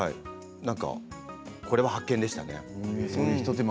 これは発見でしたね。